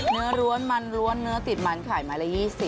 ร้วนมันร้วนเนื้อติดมันขายไม้ละ๒๐